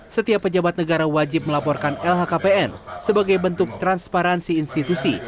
setiap pejabat negara wajib melaporkan lhkpn sebagai bentuk transparansi institusi